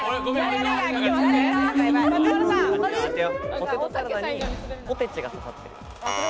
ポテトサラダにポテチが刺さってる。